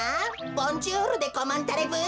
ボンジュールでコマンタレブー。